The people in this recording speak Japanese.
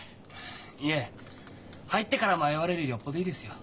いえ入ってから迷われるよりよっぽどいいですよ。